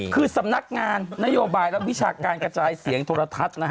คือสำนักงานนโยบายและวิชาการกระจายเสียงโทรทัศน์